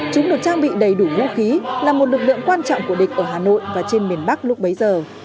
chúng được trang bị đầy đủ vũ khí là một lực lượng quan trọng của địch ở hà nội và trên miền bắc lúc bấy giờ